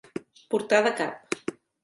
Portar de cap.